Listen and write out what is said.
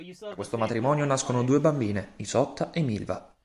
Da questo matrimonio nascono due bambine, Isotta e Milva.